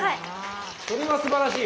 それはすばらしい。